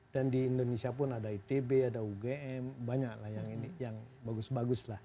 dan di indonesia pun ada itb ada ugm banyak lah yang ini yang bagus bagus lah